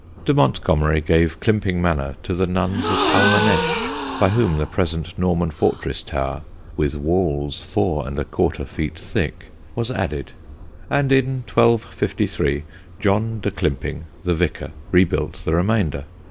De Montgomerie gave Climping manor to the nuns of Almanesches, by whom the present Norman fortress tower (with walls 4 1/4 feet thick) was added, and in 1253 John de Climping, the vicar, rebuilt the remainder.